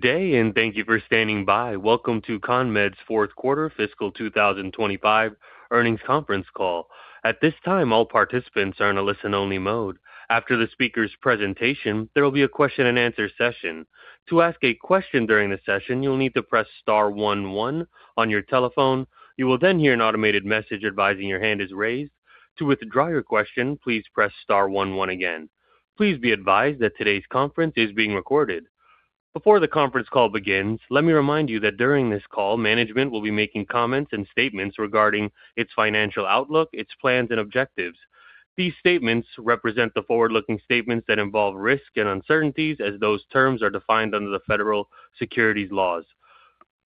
Good day, and thank you for standing by. Welcome to CONMED's Fourth Quarter Fiscal 2025 Earnings Conference Call. At this time, all participants are in a listen-only mode. After the speaker's presentation, there will be a question-and-answer session. To ask a question during the session, you'll need to press star one one on your telephone. You will then hear an automated message advising your hand is raised. To withdraw your question, please press star one one again. Please be advised that today's conference is being recorded. Before the conference call begins, let me remind you that during this call, management will be making comments and statements regarding its financial outlook, its plans, and objectives. These statements represent the forward-looking statements that involve risks and uncertainties as those terms are defined under the federal securities laws.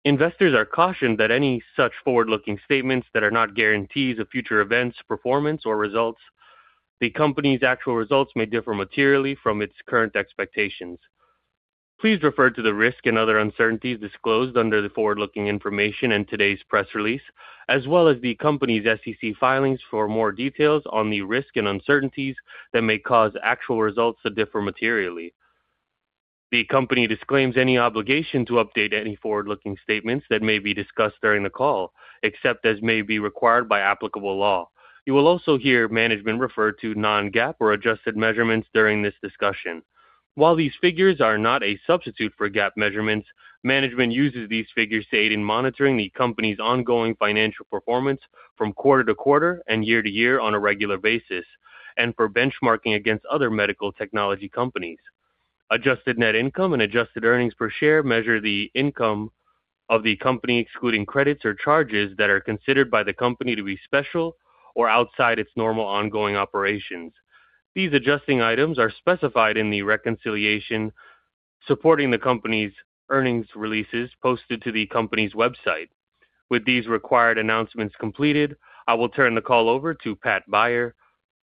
Investors are cautioned that any such forward-looking statements that are not guarantees of future events, performance, or results. The company's actual results may differ materially from its current expectations. Please refer to the risks and other uncertainties disclosed under the forward-looking information in today's press release, as well as the company's SEC filings, for more details on the risks and uncertainties that may cause actual results to differ materially. The company disclaims any obligation to update any forward-looking statements that may be discussed during the call, except as may be required by applicable law. You will also hear management refer to non-GAAP or adjusted measures during this discussion. While these figures are not a substitute for GAAP measurements, management uses these figures to aid in monitoring the company's ongoing financial performance from quarter to quarter and year to year on a regular basis, and for benchmarking against other medical technology companies. Adjusted net income and adjusted earnings per share measure the income of the company, excluding credits or charges that are considered by the company to be special or outside its normal ongoing operations. These adjusting items are specified in the reconciliation supporting the company's earnings releases posted to the company's website. With these required announcements completed, I will turn the call over to Pat Beyer,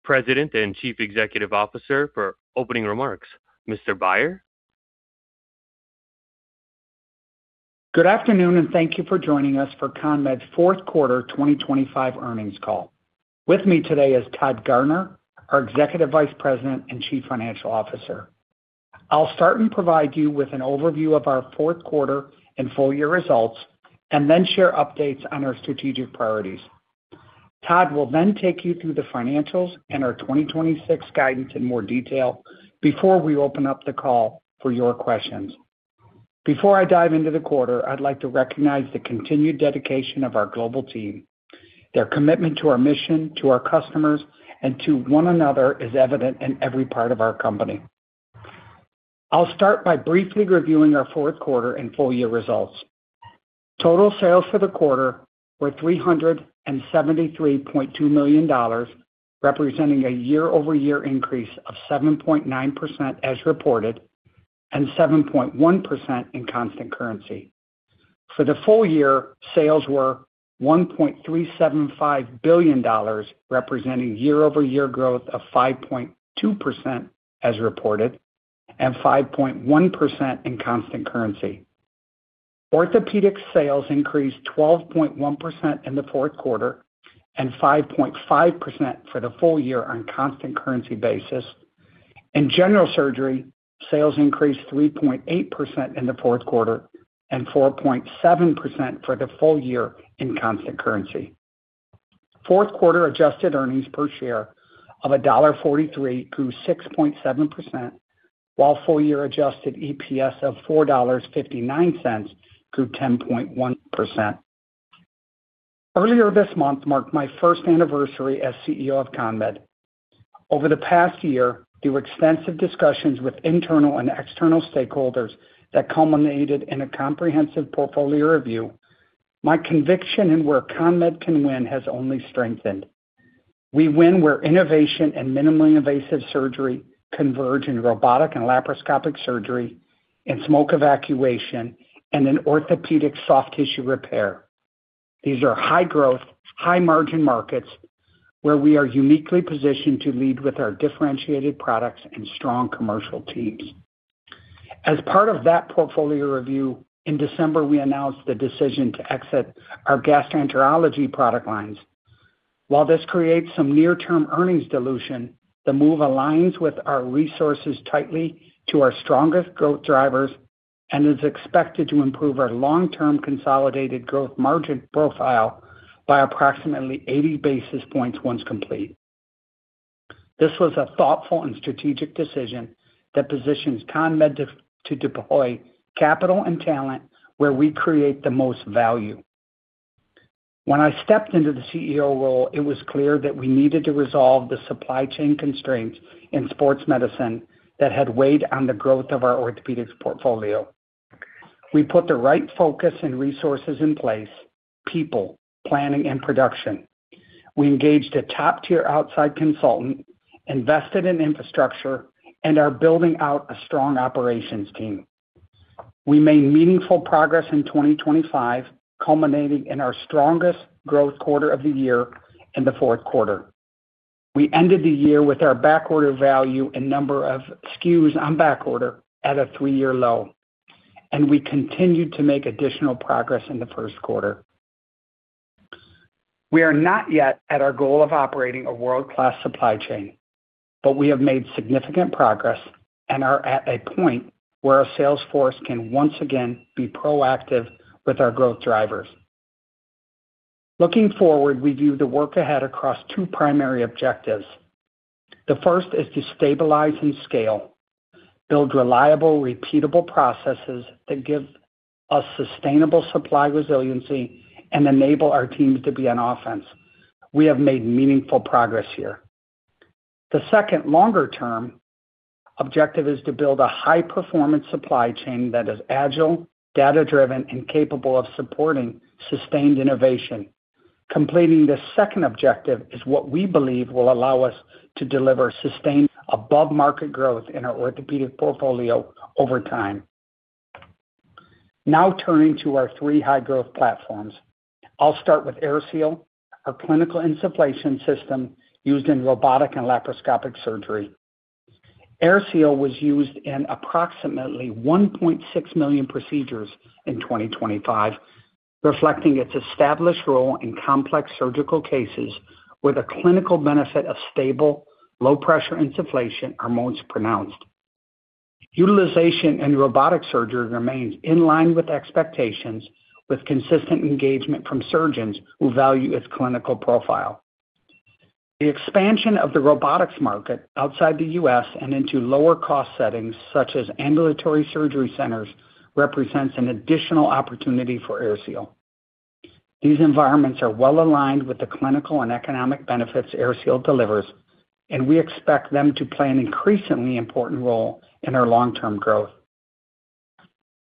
President and Chief Executive Officer, for opening remarks. Mr. Beyer? Good afternoon, and thank you for joining us for CONMED's fourth quarter 2025 earnings call. With me today is Todd Garner, our Executive Vice President and Chief Financial Officer. I'll start and provide you with an overview of our fourth quarter and full year results, and then share updates on our strategic priorities. Todd will then take you through the financials and our 2026 guidance in more detail before we open up the call for your questions. Before I dive into the quarter, I'd like to recognize the continued dedication of our global team. Their commitment to our mission, to our customers, and to one another is evident in every part of our company. I'll start by briefly reviewing our fourth quarter and full year results. Total sales for the quarter were $373.2 million, representing a year-over-year increase of 7.9% as reported, and 7.1% in constant currency. For the full year, sales were $1.375 billion, representing year-over-year growth of 5.2% as reported and 5.1% in constant currency. Orthopedic sales increased 12.1% in the fourth quarter and 5.5% for the full year on constant currency basis. In General surgery, sales increased 3.8% in the fourth quarter and 4.7% for the full year in constant currency. Fourth quarter adjusted earnings per share of $1.43 grew 6.7%, while full year adjusted EPS of $4.59 grew 10.1%. Earlier this month marked my first anniversary as CEO of CONMED. Over the past year, through extensive discussions with internal and external stakeholders that culminated in a comprehensive portfolio review, my conviction in where CONMED can win has only strengthened. We win where innovation and minimally invasive surgery converge in robotic and laparoscopic surgery, in smoke evacuation, and in orthopedic soft tissue repair. These are high growth, high margin markets where we are uniquely positioned to lead with our differentiated products and strong commercial teams. As part of that portfolio review, in December, we announced the decision to exit our gastroenterology product lines. While this creates some near-term earnings dilution, the move aligns with our resources tightly to our strongest growth drivers and is expected to improve our long-term consolidated growth margin profile by approximately 80 basis points once complete. This was a thoughtful and strategic decision that positions CONMED to deploy capital and talent where we create the most value. When I stepped into the CEO role, it was clear that we needed to resolve the supply chain constraints in sports medicine that had weighed on the growth of our orthopedics portfolio. We put the right focus and resources in place: people, planning, and production. We engaged a top-tier outside consultant, invested in infrastructure, and are building out a strong operations team. We made meaningful progress in 2025, culminating in our strongest growth quarter of the year in the fourth quarter. We ended the year with our backorder value and number of SKUs on backorder at a three-year low, and we continued to make additional progress in the first quarter. We are not yet at our goal of operating a world-class supply chain, but we have made significant progress and are at a point where our sales force can once again be proactive with our growth drivers. Looking forward, we view the work ahead across two primary objectives. The first is to stabilize and scale, build reliable, repeatable processes that give us sustainable supply resiliency and enable our teams to be on offense. We have made meaningful progress here. The second, longer term, objective is to build a high-performance supply chain that is agile, data-driven, and capable of supporting sustained innovation. Completing this second objective is what we believe will allow us to deliver sustained above-market growth in our orthopedic portfolio over time. Now, turning to our three high-growth platforms. I'll start with AirSeal, our clinical insufflation system used in robotic and laparoscopic surgery. AirSeal was used in approximately 1.6 million procedures in 2025, reflecting its established role in complex surgical cases where the clinical benefit of stable, low-pressure insufflation are most pronounced. Utilization in robotic surgery remains in line with expectations, with consistent engagement from surgeons who value its clinical profile. The expansion of the robotics market outside the U.S. and into lower-cost settings, such as ambulatory surgery centers, represents an additional opportunity for AirSeal. These environments are well aligned with the clinical and economic benefits AirSeal delivers, and we expect them to play an increasingly important role in our long-term growth.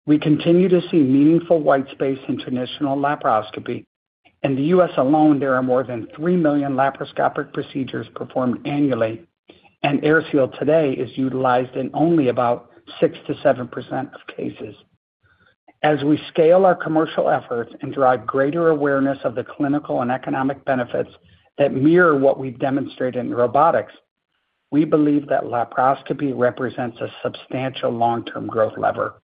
We continue to see meaningful white space in traditional laparoscopy. In the U.S. alone, there are more than 3 million laparoscopic procedures performed annually, and AirSeal today is utilized in only about 6%-7% of cases. As we scale our commercial efforts and drive greater awareness of the clinical and economic benefits that mirror what we've demonstrated in robotics, we believe that laparoscopy represents a substantial long-term growth lever.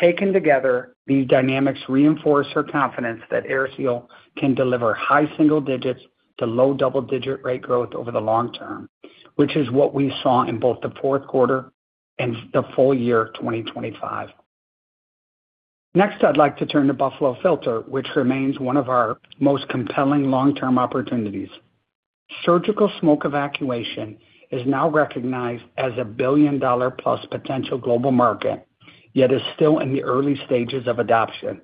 Taken together, these dynamics reinforce our confidence that AirSeal can deliver high single digits to low double-digit rate growth over the long term, which is what we saw in both the fourth quarter and the full year of 2025. Next, I'd like to turn to Buffalo Filter, which remains one of our most compelling long-term opportunities. Surgical smoke evacuation is now recognized as a $1 billion-plus potential global market, yet is still in the early stages of adoption.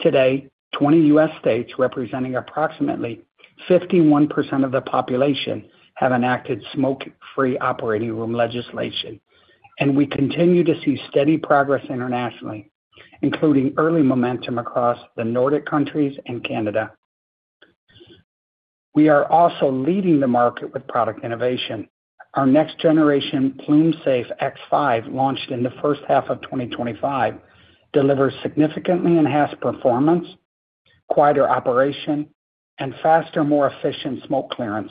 Today, 20 U.S. states, representing approximately 51% of the population, have enacted smoke-free operating room legislation, and we continue to see steady progress internationally, including early momentum across the Nordic countries and Canada. We are also leading the market with product innovation. Our next-generation PlumeSafe X5, launched in the first half of 2025, delivers significantly enhanced performance, quieter operation, and faster, more efficient smoke clearance,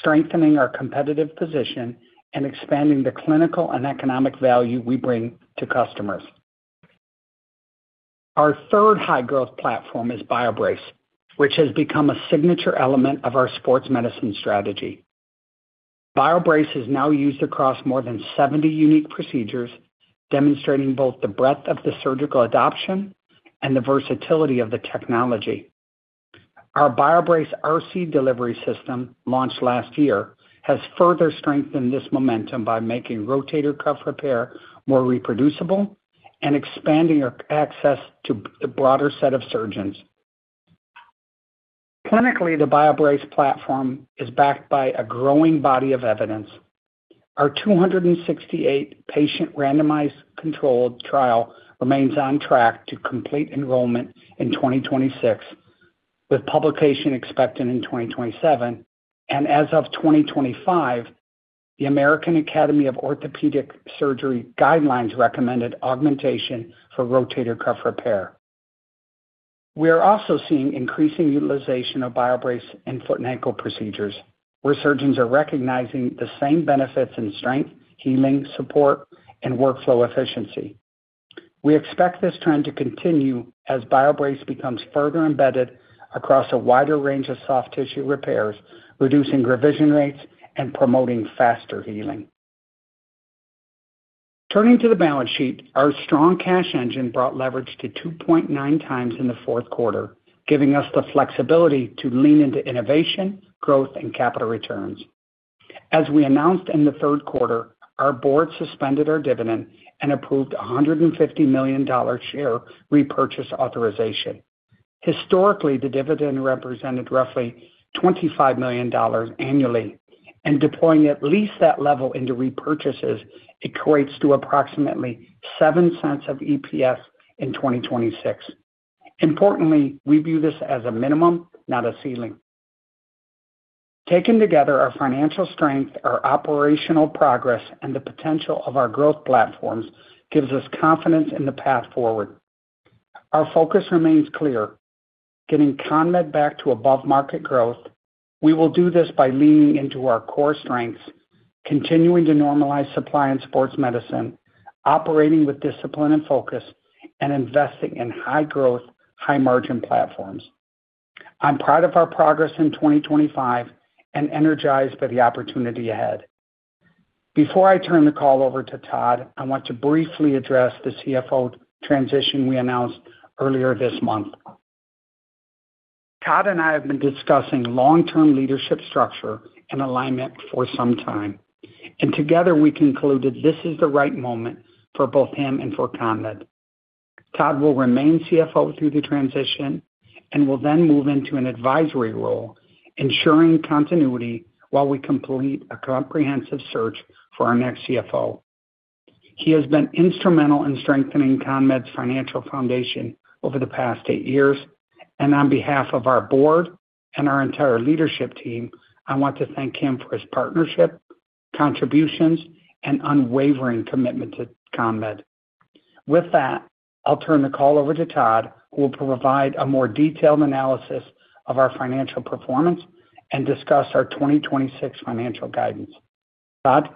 strengthening our competitive position and expanding the clinical and economic value we bring to customers. Our third high-growth platform is BioBrace, which has become a signature element of our sports medicine strategy. BioBrace is now used across more than 70 unique procedures, demonstrating both the breadth of the surgical adoption and the versatility of the technology. Our BioBrace RC delivery system, launched last year, has further strengthened this momentum by making rotator cuff repair more reproducible and expanding our access to a broader set of surgeons. Clinically, the BioBrace platform is backed by a growing body of evidence. Our 268-patient randomized controlled trial remains on track to complete enrollment in 2026, with publication expected in 2027, and as of 2025, the American Academy of Orthopaedic Surgeons guidelines recommended augmentation for rotator cuff repair. We are also seeing increasing utilization of BioBrace in foot and ankle procedures, where surgeons are recognizing the same benefits in strength, healing, support, and workflow efficiency. We expect this trend to continue as BioBrace becomes further embedded across a wider range of soft tissue repairs, reducing revision rates and promoting faster healing. Turning to the balance sheet, our strong cash engine brought leverage to 2.9 times in the fourth quarter, giving us the flexibility to lean into innovation, growth, and capital returns. As we announced in the third quarter, our board suspended our dividend and approved a $150 million share repurchase authorization. Historically, the dividend represented roughly $25 million annually, and deploying at least that level into repurchases equates to approximately $0.07 EPS in 2026. Importantly, we view this as a minimum, not a ceiling. Taken together, our financial strength, our operational progress, and the potential of our growth platforms gives us confidence in the path forward. Our focus remains clear: getting CONMED back to above-market growth. We will do this by leaning into our core strengths, continuing to normalize supply and sports medicine, operating with discipline and focus, and investing in high growth, high margin platforms. I'm proud of our progress in 2025 and energized by the opportunity ahead. Before I turn the call over to Todd, I want to briefly address the CFO transition we announced earlier this month. Todd and I have been discussing long-term leadership structure and alignment for some time, and together we concluded this is the right moment for both him and for CONMED. Todd will remain CFO through the transition and will then move into an advisory role, ensuring continuity while we complete a comprehensive search for our next CFO. He has been instrumental in strengthening CONMED's financial foundation over the past eight years, and on behalf of our board and our entire leadership team, I want to thank him for his partnership, contributions, and unwavering commitment to CONMED. With that, I'll turn the call over to Todd, who will provide a more detailed analysis of our financial performance and discuss our 2026 financial guidance. Todd?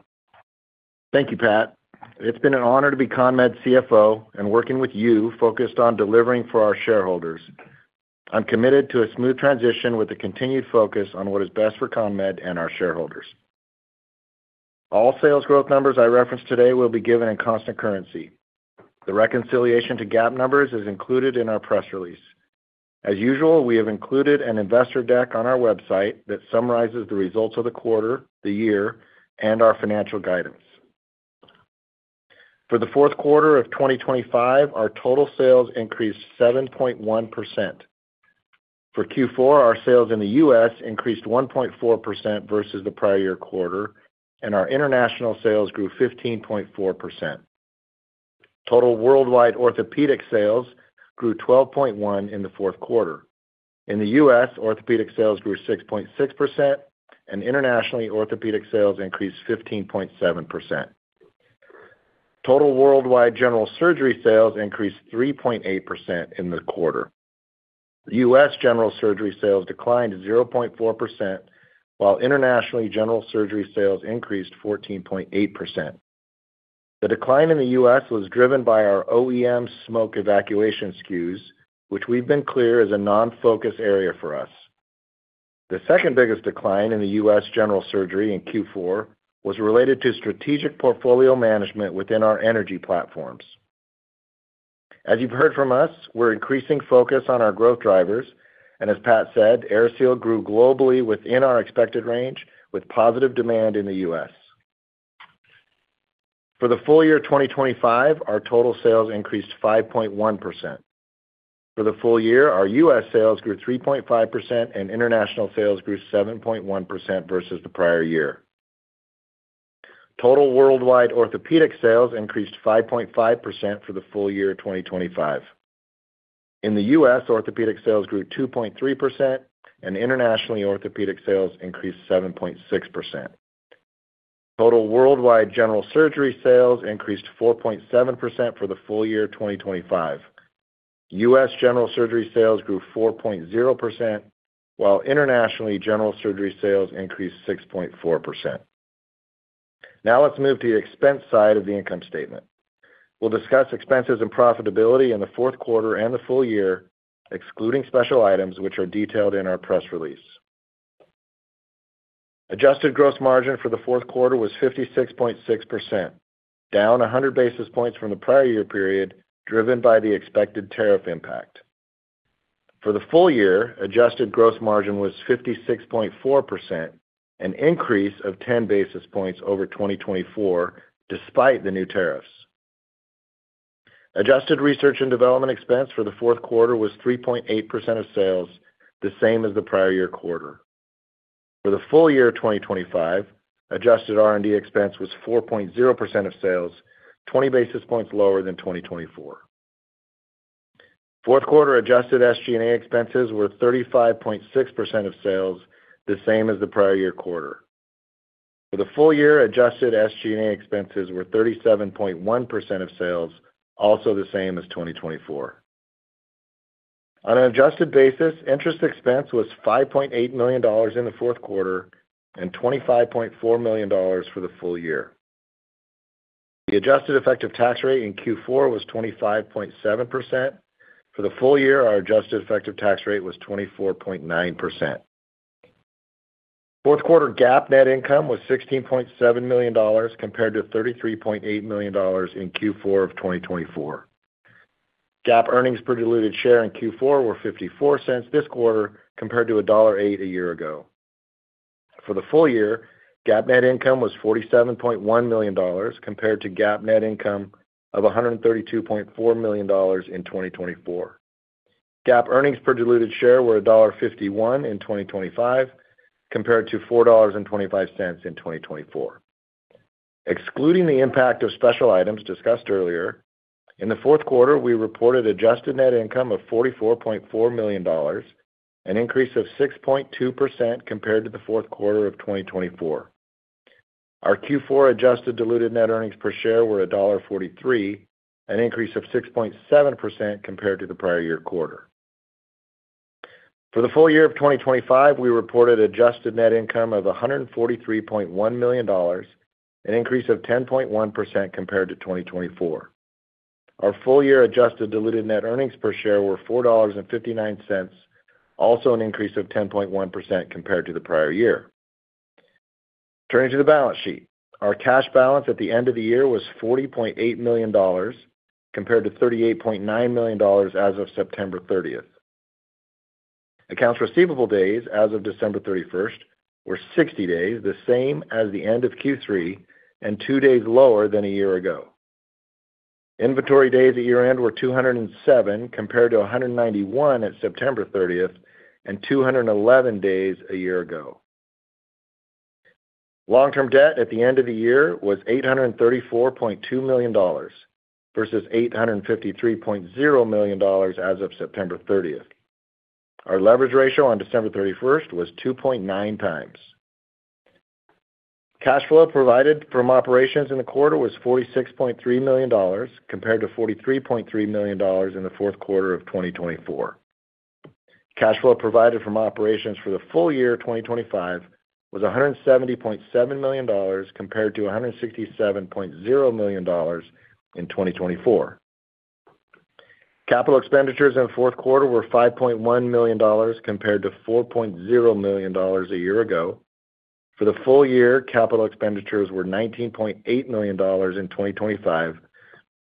Thank you, Pat. It's been an honor to be CONMED's CFO and working with you, focused on delivering for our shareholders. I'm committed to a smooth transition with a continued focus on what is best for CONMED and our shareholders. All sales growth numbers I reference today will be given in constant currency. The reconciliation to GAAP numbers is included in our press release. As usual, we have included an investor deck on our website that summarizes the results of the quarter, the year, and our financial guidance. For the fourth quarter of 2025, our total sales increased 7.1%. For Q4, our sales in the U.S. increased 1.4% versus the prior year quarter, and our international sales grew 15.4%. Total worldwide orthopedic sales grew 12.1% in the fourth quarter. In the U.S., orthopedic sales grew 6.6%, and internationally, orthopedic sales increased 15.7%. Total worldwide general surgery sales increased 3.8% in the quarter. U.S. general surgery sales declined 0.4%, while internationally, general surgery sales increased 14.8%. The decline in the U.S. was driven by our OEM smoke evacuation SKUs, which we've been clear is a non-focus area for us. The second biggest decline in the U.S. general surgery in Q4 was related to strategic portfolio management within our energy platforms. As you've heard from us, we're increasing focus on our growth drivers, and as Pat said, AirSeal grew globally within our expected range, with positive demand in the U.S. For the full year 2025, our total sales increased 5.1%. For the full year, our U.S. sales grew 3.5%, and international sales grew 7.1% versus the prior year. Total worldwide orthopedic sales increased 5.5% for the full year 2025. In the U.S., orthopedic sales grew 2.3%, and internationally, orthopedic sales increased 7.6%. Total worldwide general surgery sales increased 4.7% for the full year 2025. U.S. general surgery sales grew 4.0%, while internationally, general surgery sales increased 6.4%. Now let's move to the expense side of the income statement. We'll discuss expenses and profitability in the fourth quarter and the full year, excluding special items, which are detailed in our press release. Adjusted gross margin for the fourth quarter was 56.6%, down 100 basis points from the prior year period, driven by the expected tariff impact. For the full year, adjusted gross margin was 56.4%, an increase of 10 basis points over 2024, despite the new tariffs. Adjusted research and development expense for the fourth quarter was 3.8% of sales, the same as the prior year quarter. For the full year of 2025, adjusted R&D expense was 4.0% of sales, 20 basis points lower than 2024. Fourth quarter adjusted SG&A expenses were 35.6% of sales, the same as the prior year quarter. For the full year, adjusted SG&A expenses were 37.1% of sales, also the same as 2024. On an adjusted basis, interest expense was $5.8 million in the fourth quarter and $25.4 million for the full year. The adjusted effective tax rate in Q4 was 25.7%. For the full year, our adjusted effective tax rate was 24.9%. Fourth quarter GAAP net income was $16.7 million, compared to $33.8 million in Q4 of 2024. GAAP earnings per diluted share in Q4 were $0.54 this quarter, compared to $1.08 a year ago. For the full year, GAAP net income was $47.1 million, compared to GAAP net income of $132.4 million in 2024. GAAP earnings per diluted share were $1.51 in 2025, compared to $4.25 in 2024. Excluding the impact of special items discussed earlier, in the fourth quarter, we reported adjusted net income of $44.4 million, an increase of 6.2% compared to the fourth quarter of 2024. Our Q4 adjusted diluted net earnings per share were $1.43, an increase of 6.7% compared to the prior year quarter. For the full year of 2025, we reported adjusted net income of $143.1 million, an increase of 10.1% compared to 2024. Our full-year adjusted diluted net earnings per share were $4.59, also an increase of 10.1% compared to the prior year. Turning to the balance sheet. Our cash balance at the end of the year was $40.8 million, compared to $38.9 million as of September thirtieth. Accounts receivable days as of December thirty-first were 60 days, the same as the end of Q3 and two days lower than a year ago. Inventory days at year-end were 207, compared to 191 at September thirtieth and 211 days a year ago. Long-term debt at the end of the year was $834.2 million versus $853.0 million as of September thirtieth. Our leverage ratio on December thirty-first was 2.9 times. Cash flow provided from operations in the quarter was $46.3 million, compared to $43.3 million in the fourth quarter of 2024. Cash flow provided from operations for the full year 2025 was $170.7 million, compared to $167.0 million in 2024. Capital expenditures in the fourth quarter were $5.1 million compared to $4.0 million a year ago. For the full year, capital expenditures were $19.8 million in 2025,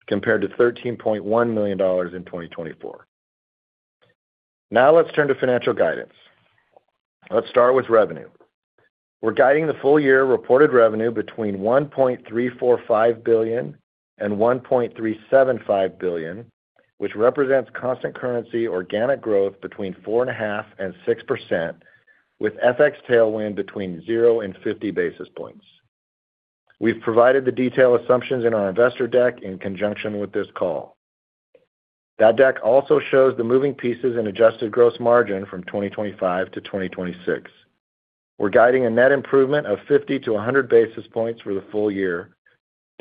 compared to $13.1 million in 2024. Now let's turn to financial guidance. Let's start with revenue. We're guiding the full year reported revenue between $1.345 billion and $1.375 billion, which represents constant currency organic growth between 4.5% and 6%, with FX tailwind between 0 and 50 basis points. We've provided the detailed assumptions in our investor deck in conjunction with this call. That deck also shows the moving pieces in adjusted gross margin from 2025 to 2026. We're guiding a net improvement of 50-100 basis points for the full year,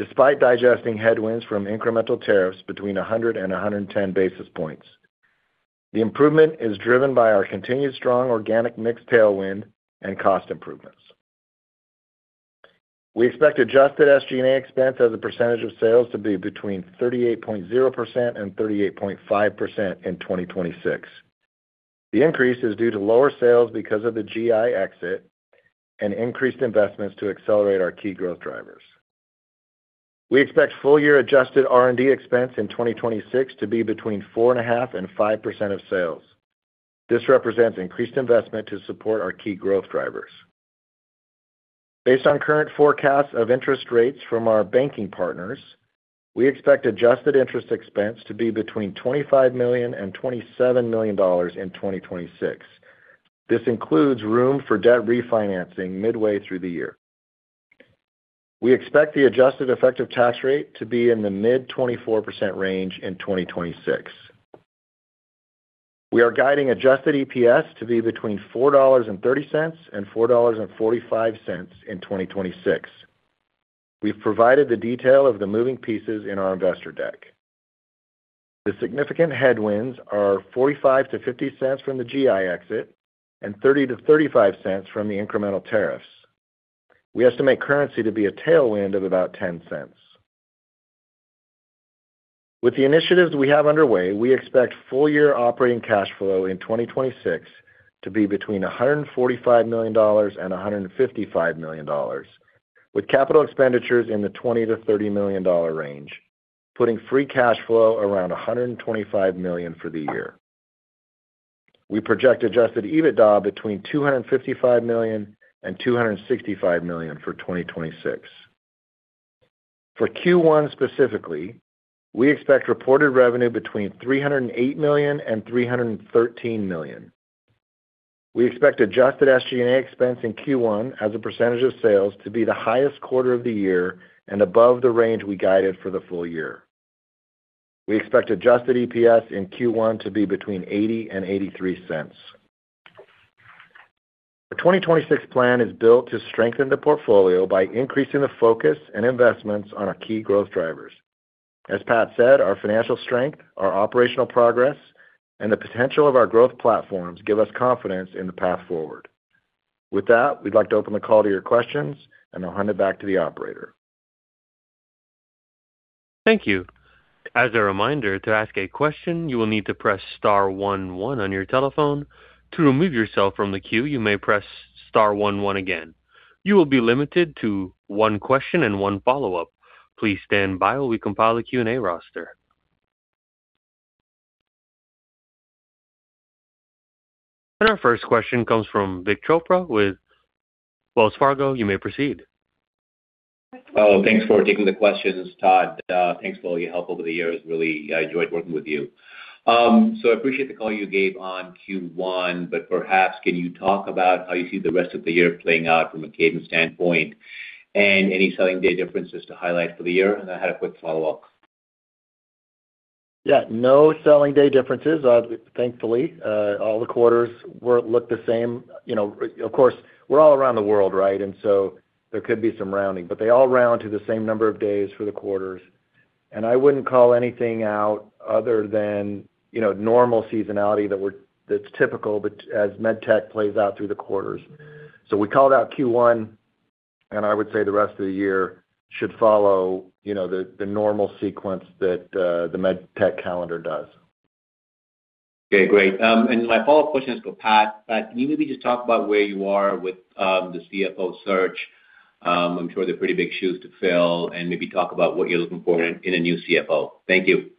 despite digesting headwinds from incremental tariffs between 100-110 basis points. The improvement is driven by our continued strong organic mix tailwind and cost improvements. We expect adjusted SG&A expense as a percentage of sales to be between 38.0% and 38.5% in 2026. The increase is due to lower sales because of the GI exit and increased investments to accelerate our key growth drivers. We expect full year adjusted R&D expense in 2026 to be between 4.5% and 5% of sales. This represents increased investment to support our key growth drivers. Based on current forecasts of interest rates from our banking partners, we expect adjusted interest expense to be between $25 million and $27 million in 2026. This includes room for debt refinancing midway through the year. We expect the adjusted effective tax rate to be in the mid-24% range in 2026. We are guiding adjusted EPS to be between $4.30 and $4.45 in 2026. We've provided the detail of the moving pieces in our investor deck. The significant headwinds are 45-50 cents from the GI exit and 30-35 cents from the incremental tariffs. We estimate currency to be a tailwind of about 10 cents. With the initiatives we have underway, we expect full year operating cash flow in 2026 to be between $145 million and $155 million, with capital expenditures in the $20-$30 million range, putting free cash flow around $125 million for the year. We project adjusted EBITDA between $255 million and $265 million for 2026. For Q1 specifically, we expect reported revenue between $308 million and $313 million. We expect adjusted SG&A expense in Q1 as a percentage of sales to be the highest quarter of the year and above the range we guided for the full year. We expect adjusted EPS in Q1 to be between $0.80 and $0.83. Our 2026 plan is built to strengthen the portfolio by increasing the focus and investments on our key growth drivers. As Pat said, our financial strength, our operational progress, and the potential of our growth platforms give us confidence in the path forward. With that, we'd like to open the call to your questions, and I'll hand it back to the operator. Thank you. As a reminder, to ask a question, you will need to press star one one on your telephone. To remove yourself from the queue, you may press star one one again. You will be limited to one question and one follow-up. Please stand by while we compile the Q&A roster. Our first question comes from Vik Chopra with Wells Fargo. You may proceed. Oh, thanks for taking the questions, Todd. Thanks for all your help over the years. Really, I enjoyed working with you. So I appreciate the call you gave on Q1, but perhaps can you talk about how you see the rest of the year playing out from a cadence standpoint, and any selling day differences to highlight for the year? I had a quick follow-up.... Yeah, no selling day differences. Thankfully, all the quarters were, look, the same. You know, of course, we're all around the world, right? And so there could be some rounding, but they all round to the same number of days for the quarters. And I wouldn't call anything out other than, you know, normal seasonality that we're, that's typical, but as med tech plays out through the quarters. So we called out Q1, and I would say the rest of the year should follow, you know, the, the normal sequence that the med tech calendar does. Okay, great. My follow-up question is for Pat. Pat, can you maybe just talk about where you are with the CFO search? I'm sure they're pretty big shoes to fill, and maybe talk about what you're looking for in a new CFO. Thank you.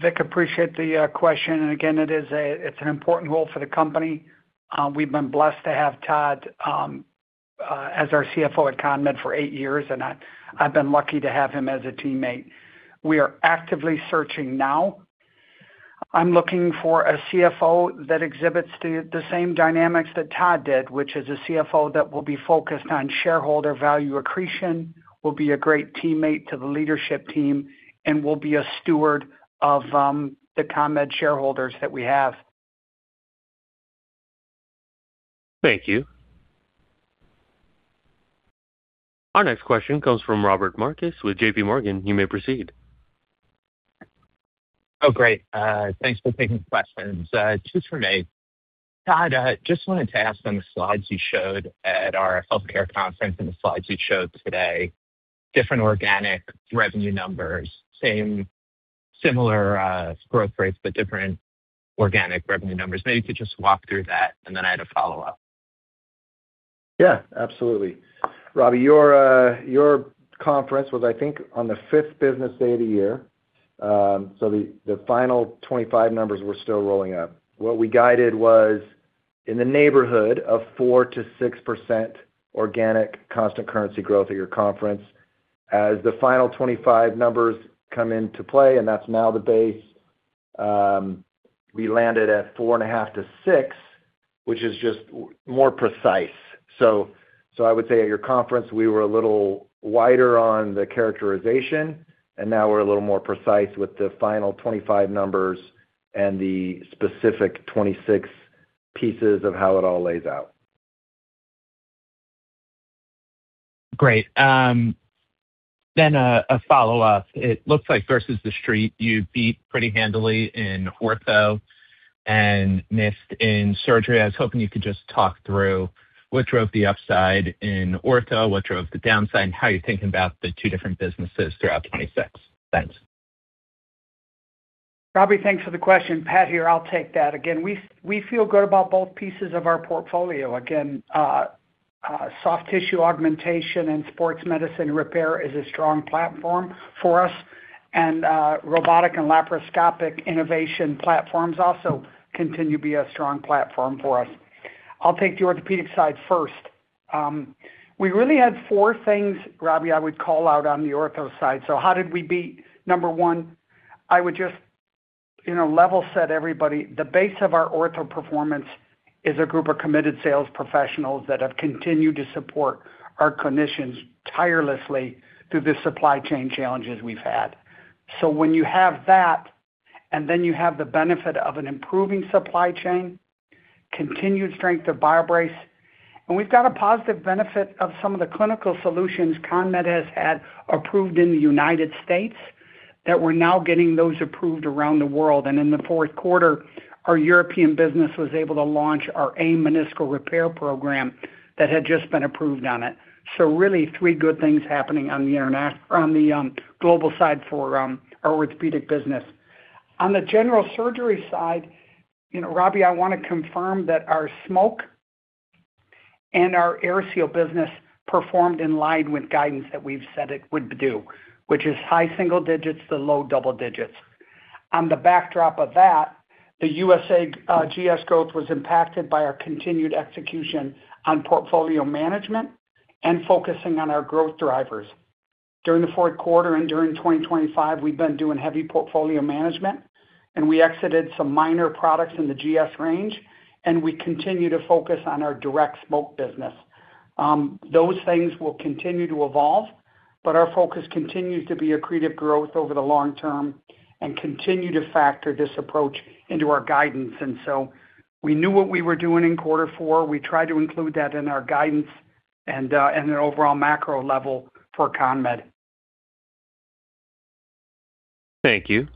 Vik, appreciate the question, and again, it is a, it's an important role for the company. We've been blessed to have Todd as our CFO at CONMED for eight years, and I've been lucky to have him as a teammate. We are actively searching now. I'm looking for a CFO that exhibits the same dynamics that Todd did, which is a CFO that will be focused on shareholder value accretion, will be a great teammate to the leadership team, and will be a steward of the CONMED shareholders that we have. Thank you. Our next question comes from Robbie Marcus with J.P. Morgan. You may proceed. Oh, great. Thanks for taking the questions. Two from me. Todd, just wanted to ask on the slides you showed at our healthcare conference and the slides you showed today, different organic revenue numbers, same similar growth rates, but different organic revenue numbers. Maybe you could just walk through that, and then I had a follow-up. Yeah, absolutely. Robbie, your conference was, I think, on the fifth business day of the year. So the final 25 numbers were still rolling out. What we guided was in the neighborhood of 4%-6% organic constant currency growth at your conference. As the final 25 numbers come into play, and that's now the base, we landed at 4.5-6, which is just more precise. So I would say at your conference, we were a little wider on the characterization, and now we're a little more precise with the final 25 numbers and the specific 26 pieces of how it all lays out. Great. Then, a follow-up. It looks like versus The Street, you beat pretty handily in ortho and missed in surgery. I was hoping you could just talk through what drove the upside in ortho, what drove the downside, and how you're thinking about the two different businesses throughout 2026. Thanks. Robbie, thanks for the question. Pat here. I'll take that. Again, we feel good about both pieces of our portfolio. Again, soft tissue augmentation and sports medicine repair is a strong platform for us, and robotic and laparoscopic innovation platforms also continue to be a strong platform for us. I'll take the orthopedic side first. We really had four things, Robbie, I would call out on the ortho side. So how did we beat? Number one, I would just, you know, level set everybody. The base of our ortho performance is a group of committed sales professionals that have continued to support our clinicians tirelessly through the supply chain challenges we've had. So when you have that, and then you have the benefit of an improving supply chain, continued strength of BioBrace, and we've got a positive benefit of some of the clinical solutions CONMED has had approved in the United States, that we're now getting those approved around the world. And in the fourth quarter, our European business was able to launch our AIM Meniscal repair program that had just been approved on it. So really, three good things happening on the global side for our orthopedic business. On the general surgery side, you know, Robbie, I want to confirm that our smoke and our AirSeal business performed in line with guidance that we've said it would do, which is high single digits to low double digits. On the backdrop of that, the USA, GS growth was impacted by our continued execution on portfolio management and focusing on our growth drivers. During the fourth quarter and during 2025, we've been doing heavy portfolio management, and we exited some minor products in the GS range, and we continue to focus on our direct smoke business. Those things will continue to evolve, but our focus continues to be accretive growth over the long term and continue to factor this approach into our guidance. And so we knew what we were doing in quarter four. We tried to include that in our guidance and the overall macro level for CONMED. Thank you.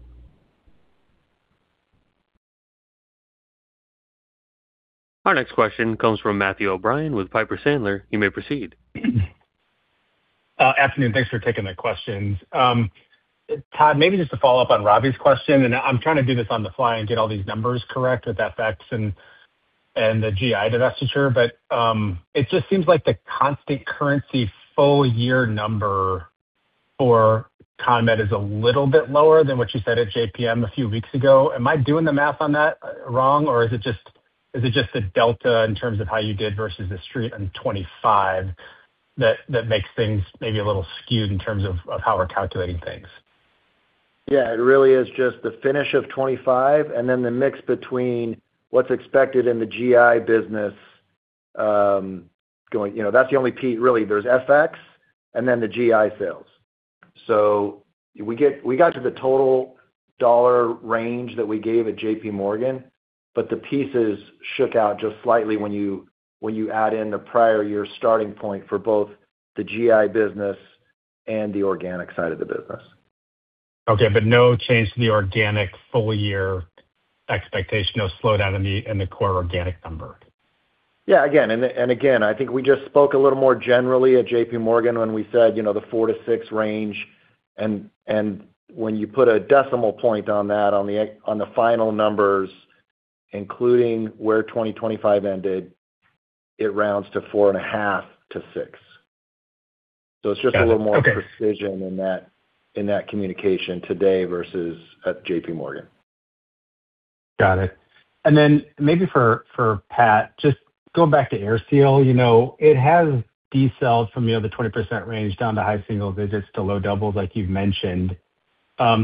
Our next question comes from Matthew O'Brien with Piper Sandler. You may proceed. Afternoon. Thanks for taking the questions. Todd, maybe just to follow up on Robbie's question, and I'm trying to do this on the fly and get all these numbers correct with FX and the GI divestiture. But it just seems like the constant currency full year number for CONMED is a little bit lower than what you said at JPM a few weeks ago. Am I doing the math on that wrong, or is it just the delta in terms of how you did versus The Street in 2025 that makes things maybe a little skewed in terms of how we're calculating things? Yeah, it really is just the finish of 2025, and then the mix between what's expected in the GI business. You know, that's the only piece, really. There's FX and then the GI sales. So we got to the total dollar range that we gave at J.P. Morgan, but the pieces shook out just slightly when you add in the prior year starting point for both the GI business and the organic side of the business. Okay, but no change in the organic full year expectation, no slowdown in the core organic number? Yeah, again, I think we just spoke a little more generally at J.P. Morgan when we said, you know, the 4-6 range. And when you put a decimal point on that, on the final numbers, including where 2025 ended, it rounds to 4.5-6. Got it. Okay. It's just a little more precision in that, in that communication today versus at J.P. Morgan. Got it. And then maybe for Pat, just going back to AirSeal, you know, it has sales from, you know, the 20% range down to high single digits to low double digits, like you've mentioned.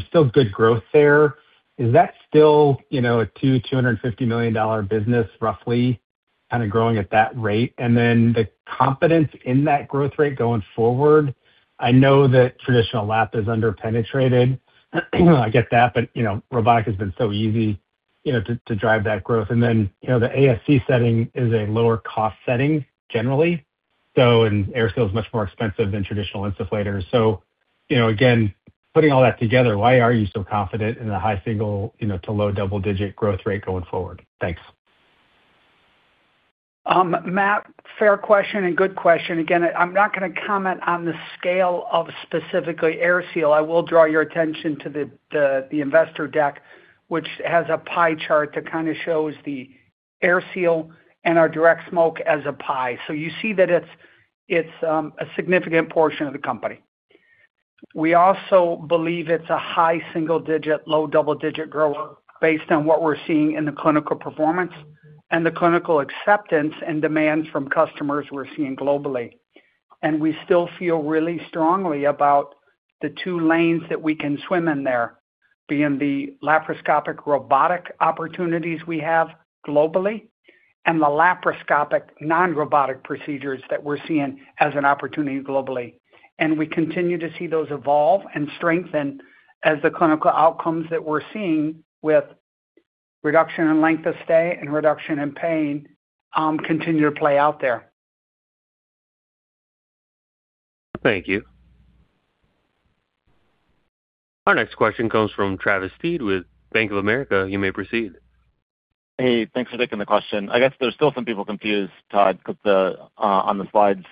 Still good growth there. Is that still, you know, a $250 million business, roughly, kind of growing at that rate? And then the confidence in that growth rate going forward, I know that traditional lap is underpenetrated. I get that, but, you know, robotic has been so easy, you know, to drive that growth. And then, you know, the ASC setting is a lower cost setting generally, so, and AirSeal is much more expensive than traditional insufflators. So, you know, again, putting all that together, why are you so confident in the high single, you know, to low double-digit growth rate going forward? Thanks. Matt, fair question and good question. Again, I'm not going to comment on the scale of specifically AirSeal. I will draw your attention to the investor deck, which has a pie chart that kind of shows the AirSeal and our direct smoke as a pie. So you see that it's a significant portion of the company. We also believe it's a high single digit, low double-digit grower based on what we're seeing in the clinical performance and the clinical acceptance and demand from customers we're seeing globally. And we still feel really strongly about the two lanes that we can swim in there, being the laparoscopic robotic opportunities we have globally and the laparoscopic non-robotic procedures that we're seeing as an opportunity globally. We continue to see those evolve and strengthen as the clinical outcomes that we're seeing with reduction in length of stay and reduction in pain, continue to play out there. Thank you. Our next question comes from Travis Steed with Bank of America. You may proceed. Hey, thanks for taking the question. I guess there's still some people confused, Todd, because the on the slides,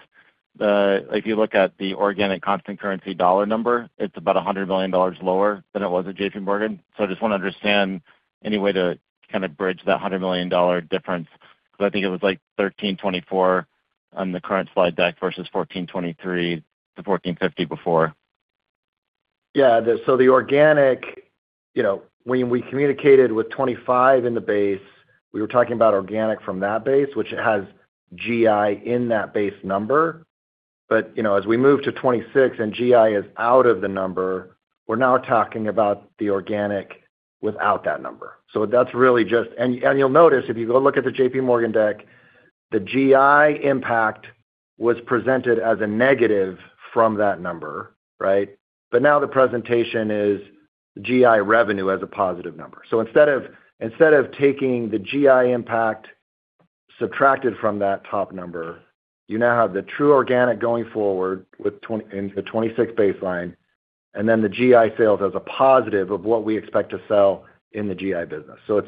if you look at the organic constant currency dollar number, it's about $100 million lower than it was at J.P. Morgan. So I just want to understand any way to kind of bridge that hundred million dollar difference, because I think it was like $1,324 on the current slide deck versus $1,423-$1,450 before. Yeah, so the organic, you know, when we communicated with 25 in the base, we were talking about organic from that base, which has GI in that base number. But, you know, as we move to 26 and GI is out of the number, we're now talking about the organic without that number. So that's really just... And you'll notice, if you go look at the J.P. Morgan deck, the GI impact was presented as a negative from that number, right? But now the presentation is GI revenue as a positive number. So instead of, instead of taking the GI impact subtracted from that top number, you now have the true organic going forward with the 26 baseline, and then the GI sales as a positive of what we expect to sell in the GI business. So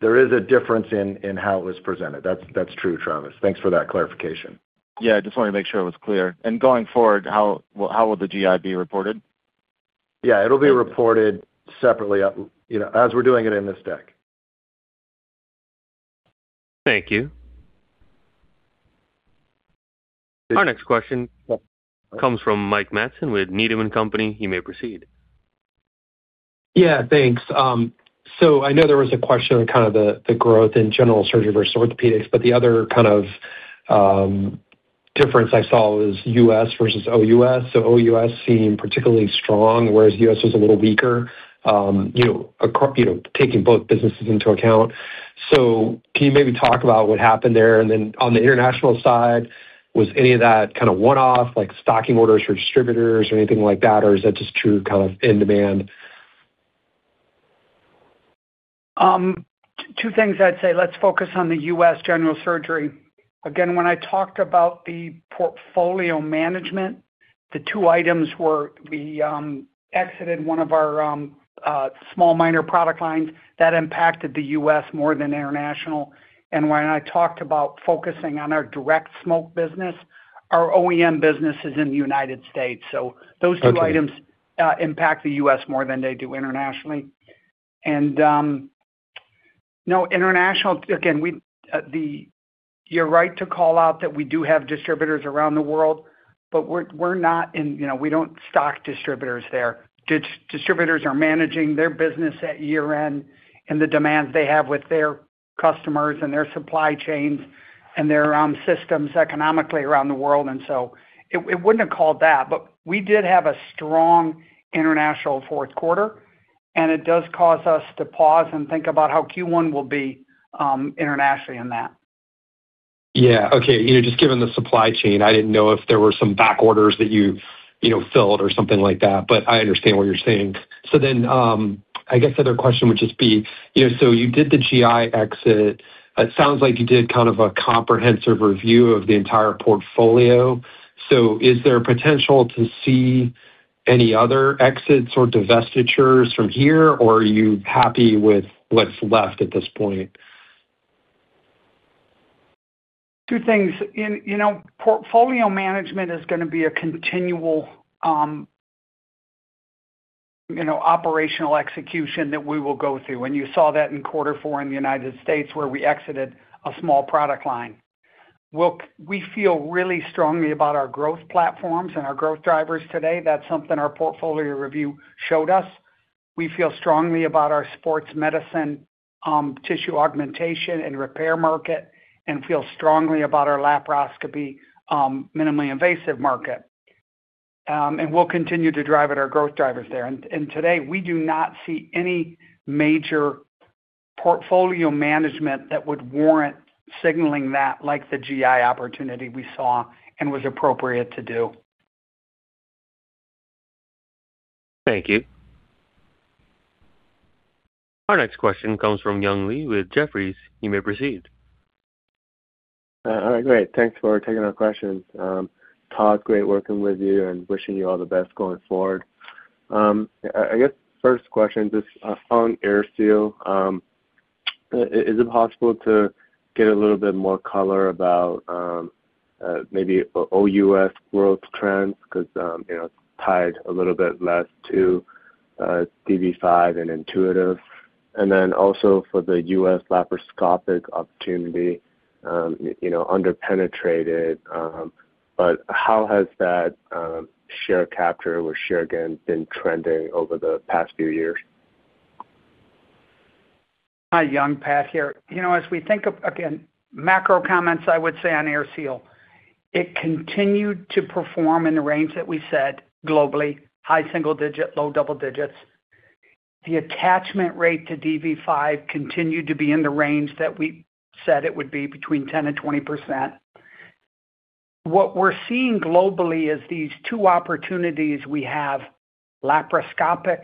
there is a difference in how it was presented. That's, that's true, Travis. Thanks for that clarification. Yeah, I just wanted to make sure it was clear. Going forward, how will the GI be reported? Yeah, it'll be reported separately, you know, as we're doing it in this deck. Thank you. Our next question comes from Mike Matson with Needham & Company. You may proceed. Yeah, thanks. So I know there was a question on kind of the growth in general surgery versus orthopedics, but the other kind of difference I saw was US versus OUS. So OUS seemed particularly strong, whereas US was a little weaker, you know, across, you know, taking both businesses into account. So can you maybe talk about what happened there? And then on the international side, was any of that kind of one-off, like stocking orders for distributors or anything like that, or is that just true kind of in demand? Two things I'd say. Let's focus on the U.S. general surgery. Again, when I talked about the portfolio management, the two items were we exited one of our small minor product lines that impacted the U.S. more than international. And when I talked about focusing on our direct smoke business, our OEM business is in the United States. Okay. So those two items impact the U.S. more than they do internationally. Now international, again, you're right to call out that we do have distributors around the world, but we're not in, you know, we don't stock distributors there. Distributors are managing their business at year-end and the demands they have with their customers and their supply chains and their systems economically around the world. And so it, I wouldn't have called that, but we did have a strong international fourth quarter... and it does cause us to pause and think about how Q1 will be internationally in that. Yeah. Okay. You know, just given the supply chain, I didn't know if there were some back orders that you, you know, filled or something like that, but I understand what you're saying. So then, I guess the other question would just be, you know, so you did the GI exit. It sounds like you did kind of a comprehensive review of the entire portfolio. So is there a potential to see any other exits or divestitures from here, or are you happy with what's left at this point? Two things. In, you know, portfolio management is going to be a continual, you know, operational execution that we will go through, and you saw that in quarter four in the United States, where we exited a small product line. Look, we feel really strongly about our growth platforms and our growth drivers today. That's something our portfolio review showed us. We feel strongly about our sports medicine, tissue augmentation and repair market, and feel strongly about our laparoscopy, minimally invasive market. And we'll continue to drive at our growth drivers there. And today, we do not see any major portfolio management that would warrant signaling that, like the GI opportunity we saw and was appropriate to do. Thank you. Our next question comes from Young Li with Jefferies. You may proceed. All right, great. Thanks for taking our questions. Todd, great working with you and wishing you all the best going forward. I guess first question, just on AirSeal. Is it possible to get a little bit more color about maybe OUS growth trends? Because, you know, it's tied a little bit less to DV5 and Intuitive. And then also for the U.S. laparoscopic opportunity, you know, underpenetrated, but how has that share capture or share gain been trending over the past few years? Hi, Young, Pat here. You know, as we think of, again, macro comments, I would say on AirSeal, it continued to perform in the range that we set globally, high single-digit, low double-digit. The attachment rate to DV5 continued to be in the range that we said it would be, between 10% and 20%. What we're seeing globally is these two opportunities we have, laparoscopic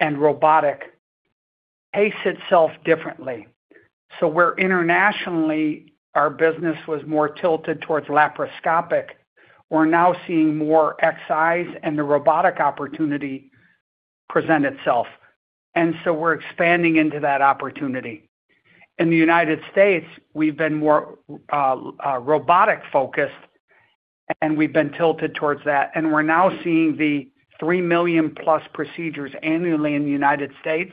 and robotic, pace itself differently. So where internationally, our business was more tilted towards laparoscopic, we're now seeing more exercises and the robotic opportunity present itself, and so we're expanding into that opportunity. In the United States, we've been more robotic focused, and we've been tilted towards that. We're now seeing the 3 million-plus procedures annually in the United States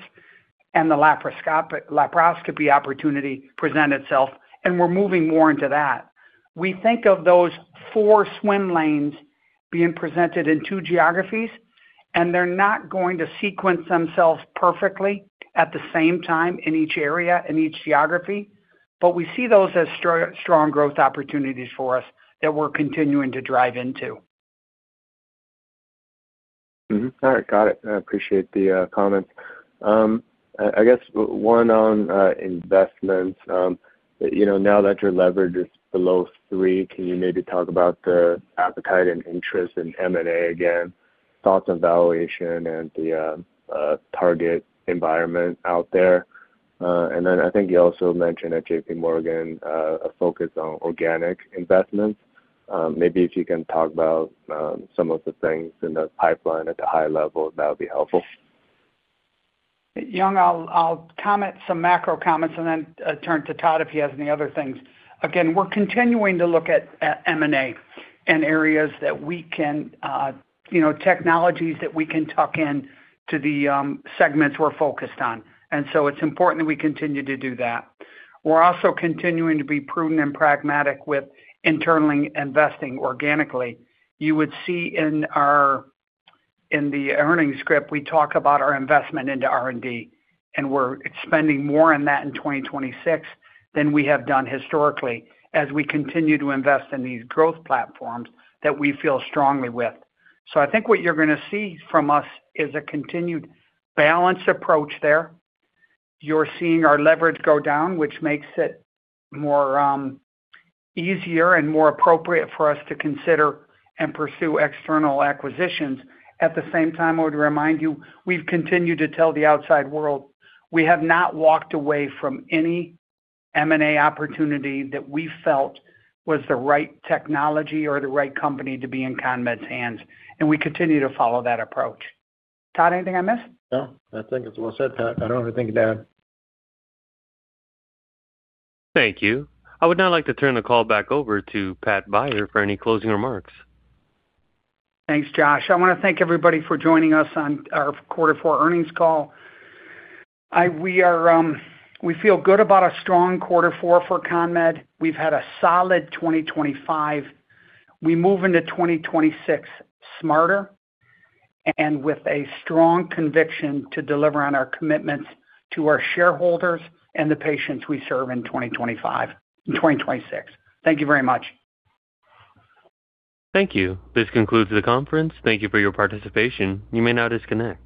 and the laparoscopy opportunity present itself, and we're moving more into that. We think of those four swim lanes being presented in two geographies, and they're not going to sequence themselves perfectly at the same time in each area, in each geography, but we see those as strong growth opportunities for us that we're continuing to drive into. All right. Got it. I appreciate the comments. I guess one on investments. You know, now that your leverage is below three, can you maybe talk about the appetite and interest in M&A again, thoughts on valuation and the target environment out there? And then I think you also mentioned at J.P. Morgan, a focus on organic investments. Maybe if you can talk about some of the things in the pipeline at a high level, that would be helpful. Young, I'll comment some macro comments and then turn to Todd, if he has any other things. Again, we're continuing to look at M&A and areas that we can you know, technologies that we can tuck in to the segments we're focused on, and so it's important that we continue to do that. We're also continuing to be prudent and pragmatic with internally investing organically. You would see in our, in the earnings script, we talk about our investment into R&D, and we're expanding more on that in 2026 than we have done historically, as we continue to invest in these growth platforms that we feel strongly with. So I think what you're going to see from us is a continued balanced approach there. You're seeing our leverage go down, which makes it more, easier and more appropriate for us to consider and pursue external acquisitions. At the same time, I would remind you, we've continued to tell the outside world we have not walked away from any M&A opportunity that we felt was the right technology or the right company to be in CONMED's hands, and we continue to follow that approach. Todd, anything I missed? No, I think it's well said, Pat. I don't have anything to add. Thank you. I would now like to turn the call back over to Pat Beyer for any closing remarks. Thanks, Josh. I want to thank everybody for joining us on our quarter four earnings call. We are, we feel good about a strong quarter four for CONMED. We've had a solid 2025. We move into 2026 smarter and with a strong conviction to deliver on our commitments to our shareholders and the patients we serve in 2025 and 2026. Thank you very much. Thank you. This concludes the conference. Thank you for your participation. You may now disconnect.